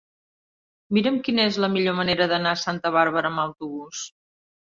Mira'm quina és la millor manera d'anar a Santa Bàrbara amb autobús.